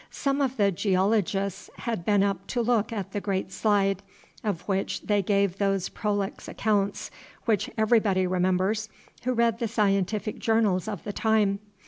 Some of the geologists had been up to look at the great slide, of which they gave those prolix accounts which everybody remembers who read the scientific journals of the time.